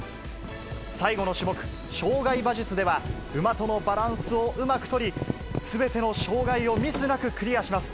最後の種目、障害馬術では、馬とのバランスをうまく取り、すべての障害をミスなくクリアします。